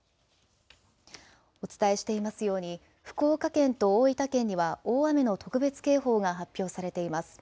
お伝えしていますように福岡県と大分県には大雨の特別警報が発表されています。